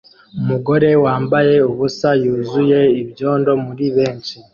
Umugore wambaye ubusa yuzuye ibyondo muri benshi